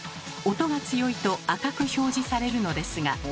音が強いと赤く表示されるのですが。